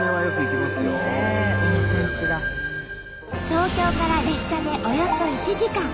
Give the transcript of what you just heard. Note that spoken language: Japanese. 東京から列車でおよそ１時間。